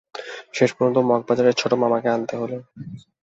শেষ পর্যন্ত মগবাজারের ছোট মামাকে আনতে হলো।